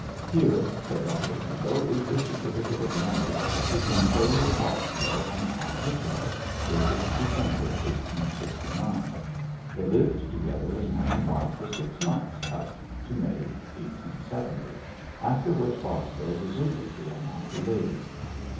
'Here,' said Dr Pendle, 'is the certificate of marriage between Pharaoh Bosvile and Ann Whichello, dated December 1869. They lived together as man and wife for six months up to May 1870, after which Bosvile deserted the unhappy lady.'